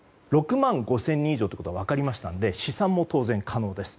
６万５０００人以上ということが分かりましたので試算も当然可能です。